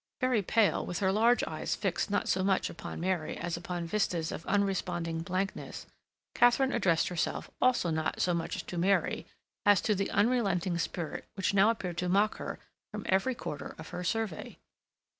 Very pale, and with her large eyes fixed not so much upon Mary as upon vistas of unresponding blankness, Katharine addressed herself also not so much to Mary as to the unrelenting spirit which now appeared to mock her from every quarter of her survey.